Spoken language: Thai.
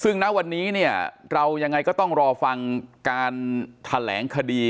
ซึ่งณวันนี้เนี่ยเรายังไงก็ต้องรอฟังการแถลงคดี